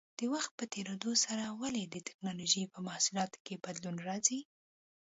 د وخت په تېرېدو سره ولې د ټېکنالوجۍ په محصولاتو کې بدلون راځي؟